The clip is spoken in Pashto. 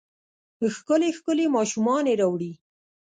ښکلې ، ښکلې ماشومانې راوړي